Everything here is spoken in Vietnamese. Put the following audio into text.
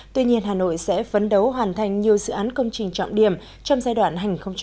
tuy nhiên hà nội sẽ phấn đấu hoàn thành nhiều dự án công trình trọng điểm trong giai đoạn hai nghìn một mươi chín hai nghìn hai mươi